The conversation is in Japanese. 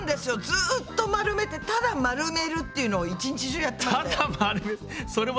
ずっと丸めてただ丸めるっていうのを一日中やってましたよ。